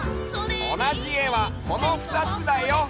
おなじえはこのふたつだよ！